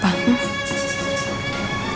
pak abdul juga udah tahu